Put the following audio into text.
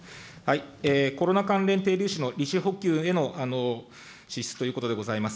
コロナ関連低利融資の利子補給への支出ということでございます。